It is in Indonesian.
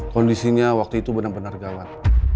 kondisinya waktu itu benar benar gawat